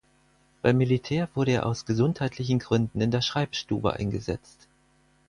Beim Militär wurde er aus gesundheitlichen Gründen in der Schreibstube eingesetzt.